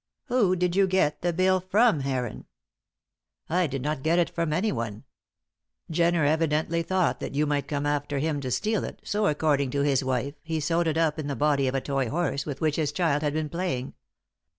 Who did you get the bill from, Heron?" "I did not got it from anyone. Jenner evidently thought that you might come after him to steal it, so, according to his wife, he sewed it up in the body of a toy horse with which his child had been playing.